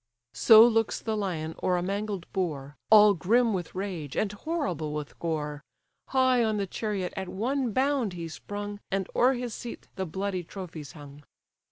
So looks the lion o'er a mangled boar, All grim with rage, and horrible with gore; High on the chariot at one bound he sprung, And o'er his seat the bloody trophies hung.